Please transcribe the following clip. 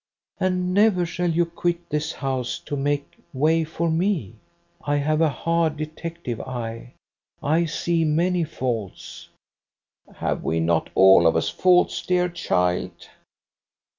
And never shall you quit this house to make way for me. I have a hard detective eye. I see many faults." "Have we not all of us faults, dear child?"